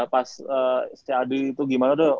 pas si adi itu gimana tuh